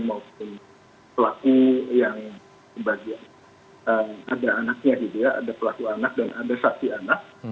maupun pelaku yang ada anaknya ada pelaku anak dan ada saksi anak